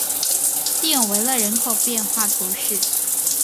蒂永维勒人口变化图示